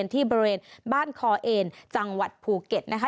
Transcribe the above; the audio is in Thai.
ที่บริเวณบ้านคอเอนจังหวัดภูเก็ตนะคะ